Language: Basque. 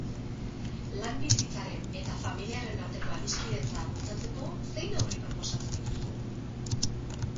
Lan bizitzaren eta familiarren arteko adiskidetzea bultzatzeko zein neurri proposatzen dituzu?